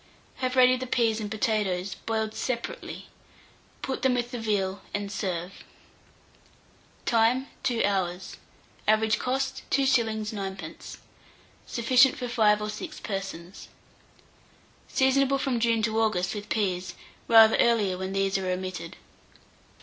Have ready the peas and potatoes, boiled separately; put them with the veal, and serve. Time. 2 hours. Average cost, 2s. 9d. Sufficient for 5 or 6 persons. Seasonable from June to August with peas; rather earlier when these are omitted.